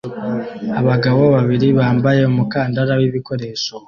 Abagabo babiri bambaye umukandara wibikoresho